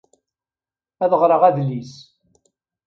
Ad ɣreɣ adlis.